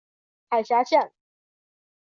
海峡线。